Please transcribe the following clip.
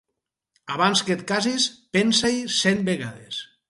Abans que et casis, pensa-hi cent vegades.